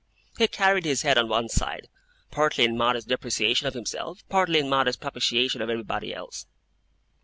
He carried his head on one side, partly in modest depreciation of himself, partly in modest propitiation of everybody else.